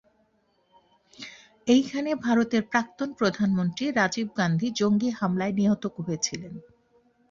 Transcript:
এইখানে ভারতের প্রাক্তন প্রধানমন্ত্রী রাজীব গান্ধী জঙ্গি হামলায় নিহত হয়েছিলেন।